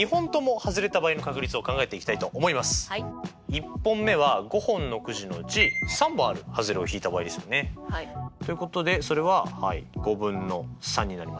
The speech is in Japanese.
１本目は５本のくじのうち３本あるはずれを引いた場合ですよね。ということでそれははい５分の３になります。